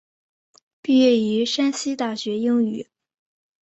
毕业于山西大学英语。